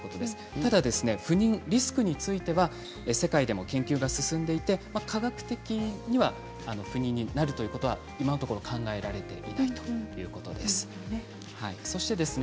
ただ、不妊のリスクについては世界でも研究が進んでいて科学的には不妊になるということは今のところ考えられないということです。